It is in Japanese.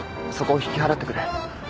そこを引き払ってくれ。